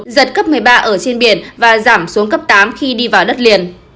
giật cấp một mươi ba ở trên biển và giảm xuống cấp tám khi đi vào đất liền